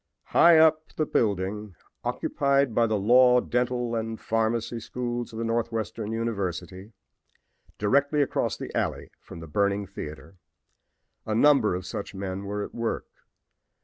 High up in the building occupied by the law, dental and pharmacy schools of the Northwestern University, directly across the alley from the burning theater, a number of such men were at work.